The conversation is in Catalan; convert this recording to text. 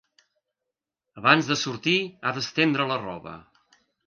Abans de sortir he d'estendre la roba.